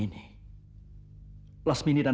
lasmini dan aku melarikan diri kemari